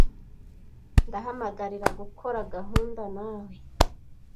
Ndahamagarira gukora gahunda nawe.